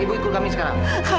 ibu memang sudah bersalah